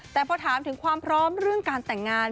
แต่พอถามถึงความพร้อมเรื่องการแต่งงาน